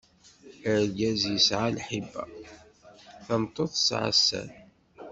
Argaz yesɛa lhiba, tameṭṭut tesɛa sser.